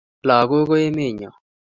Lakok ko emet nyo